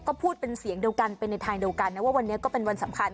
ก็พูดเป็นเสียงเดียวกันไปในทางเดียวกันนะว่าวันนี้ก็เป็นวันสำคัญ